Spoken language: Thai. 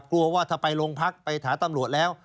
กลัวว่าถ้าไปโรงพักไปหาตำรวจแล้ว